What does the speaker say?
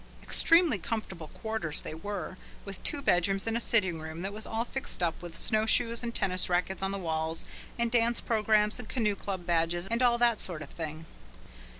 Extremely comfortable quarters they were, with two bedrooms and a sitting room that was all fixed up with snowshoes and tennis rackets on the walls and dance programmes and canoe club badges and all that sort of thing.